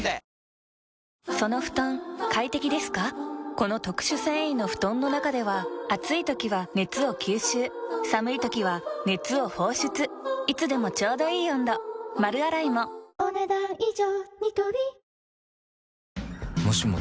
この特殊繊維の布団の中では暑い時は熱を吸収寒い時は熱を放出いつでもちょうどいい温度丸洗いもお、ねだん以上。